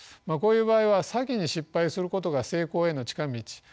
こういう場合は先に失敗することが成功への近道